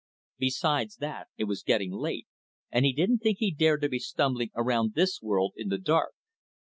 Besides, it was getting late, and he didn't think he cared to be stumbling around this world in the dark.